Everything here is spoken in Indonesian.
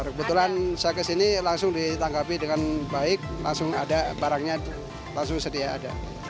ya kebetulan saya ke sini langsung ditangkapi dengan baik langsung ada barangnya langsung sedia ada